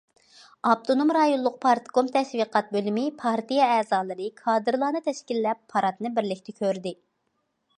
ئاپتونوم رايونلۇق پارتكوم تەشۋىقات بۆلۈمى پارتىيە ئەزالىرى، كادىرلارنى تەشكىللەپ، پاراتنى بىرلىكتە كۆردى.